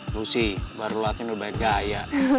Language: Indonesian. lucy baru latihnya udah banyak gaya